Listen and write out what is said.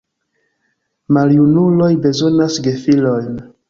Maljunuloj bezonas gefilojn.